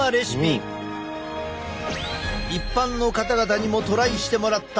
一般の方々にもトライしてもらった。